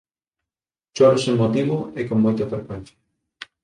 Choro sen motivo e con moita frecuencia.